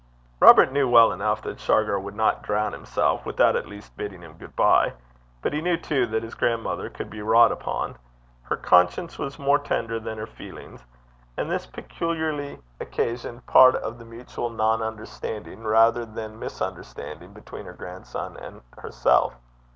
Robert knew well enough that Shargar would not drown himself without at least bidding him good bye; but he knew too that his grandmother could be wrought upon. Her conscience was more tender than her feelings; and this peculiarity occasioned part of the mutual non understanding rather than misunderstanding between her grandson and herself.